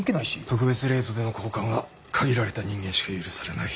特別レートでの交換は限られた人間しか許されない。